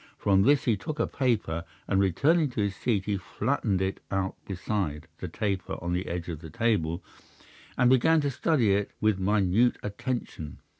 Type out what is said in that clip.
From this he took a paper, and returning to his seat he flattened it out beside the taper on the edge of the table, and began to study it with minute attention.